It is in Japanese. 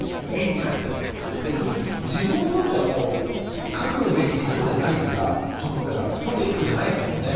でも自分にとってはもう書くべきことじゃないというかトピックじゃないですもんね。